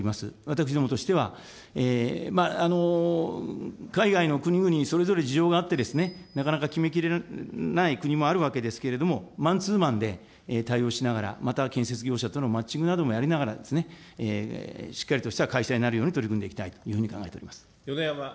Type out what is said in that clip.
私どもとしては、海外の国々にそれぞれ事情があって、なかなか決めきれない国もあるわけですけれども、マンツーマンで対応しながら、または建設業者とのマッチングなどもやりながら、しっかりとした開催になるように取り組んでいきたいというふうに考えております。